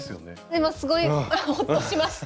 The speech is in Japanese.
今すごいほっとしました。